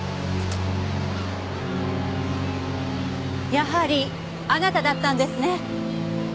やはりあなただったんですね。